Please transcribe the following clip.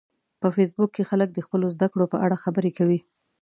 په فېسبوک کې خلک د خپلو زده کړو په اړه خبرې کوي